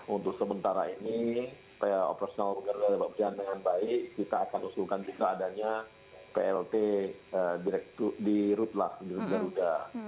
untuk sementara ini supaya operasional garuda lebat berjalan dengan baik kita akan usulkan jika adanya plt di rut lah di garuda